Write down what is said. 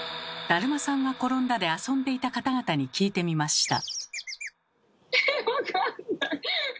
「だるまさんがころんだ」で遊んでいた方々に聞いてみました。